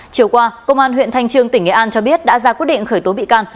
chiều qua công an huyện thanh trương tỉnh nghệ an cho biết đã ra quyết định khởi tố bị can